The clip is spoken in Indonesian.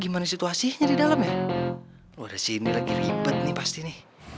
gimana situasinya di dalam ya udah sini lagi ribet nih pasti nih